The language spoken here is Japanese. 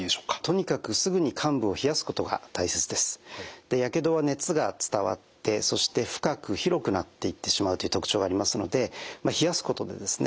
とにかくでやけどは熱が伝わってそして深く広くなっていってしまうという特徴がありますので冷やすことでですね